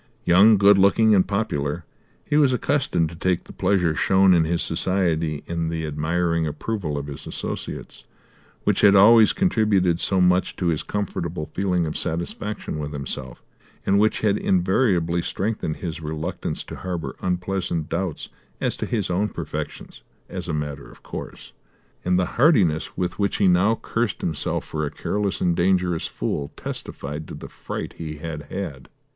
Young, good looking and popular, he was accustomed to take the pleasure shown in his society and the admiring approval of his associates, which had always contributed so much to his comfortable feeling of satisfaction with himself, and which had invariably strengthened his reluctance to harbour unpleasant doubts as to his own perfections, as a matter of course; and the heartiness with which he now cursed himself for a careless and dangerous fool testified to the fright he had had.